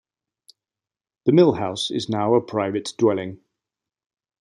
The mill house is now a private dwelling.